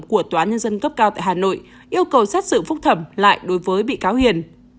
của tòa nhân dân cấp cao tại hà nội yêu cầu xét xử phúc thẩm lại đối với bị cáo hiền